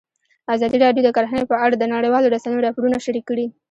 ازادي راډیو د کرهنه په اړه د نړیوالو رسنیو راپورونه شریک کړي.